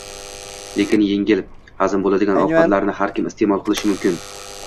Lekin, yengil hazm bo‘ladigan ovqatlarni har kim iste’mol qilishi mumkin.